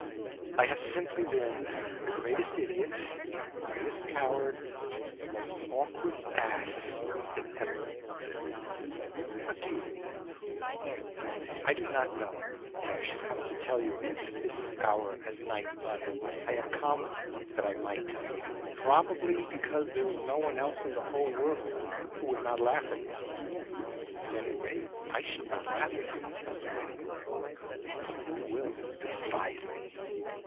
"I have simply been the greatest idiot, the greatest coward, the most awkward ass that ever lived!" "What do you mean?" "I do not know why I should come to tell you of it at this hour at night, but I have come that I might tell you. Probably because there is no one else in the whole world who would not laugh at me." "At any rate, I shall not laugh at you," said Lady Laura. "But you will despise me."